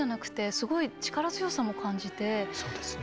そうですね。